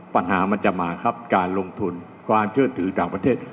ปัญหามันจะมาครับการลงทุนความเชื่อถือต่างประเทศ